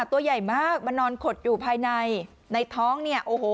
ตัวใหญ่มากมานอนขดอยู่ภายในในท้องเนี่ยโอ้โห